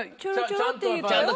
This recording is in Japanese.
ちゃんと。